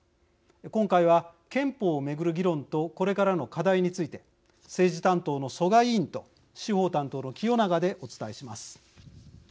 今回は、憲法を巡る議論とこれからの課題について政治担当の曽我委員と司法担当の清永でお伝えします。